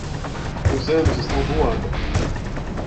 Os anos estão voando.